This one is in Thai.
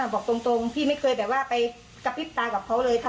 บอกตรงพี่ไม่เคยไปกระพริบตากับเขาเลย